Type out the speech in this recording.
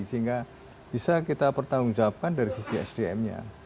sehingga bisa kita pertanggungjawabkan dari sisi sdm nya